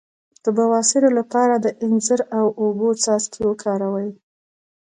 د بواسیر لپاره د انځر او اوبو څاڅکي وکاروئ